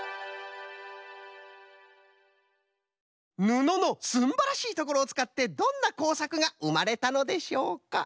ぬののすんばらしいところをつかってどんなこうさくがうまれたのでしょうか？